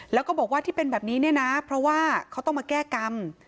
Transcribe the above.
แล้วก็บอกว่าที่เป็นแบบนี้เนี่ยนะเพราะว่าเขาต้องมาแก้กรรม